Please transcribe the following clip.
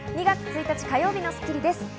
２月１日、火曜日の『スッキリ』です。